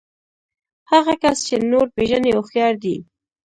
هغه کس چې نور پېژني هوښيار دی.